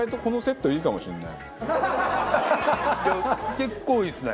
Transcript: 結構いいですね。